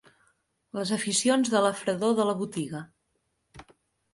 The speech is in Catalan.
Les aficions de la fredor de la botiga